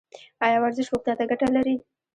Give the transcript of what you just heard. ایا ورزش روغتیا ته ګټه لري؟